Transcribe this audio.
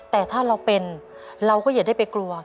แต่ถ้าเราเป็นเราก็อย่าได้ไปกลัว